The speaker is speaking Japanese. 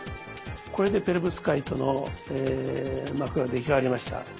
これでペロブスカイトの膜が出来上がりました。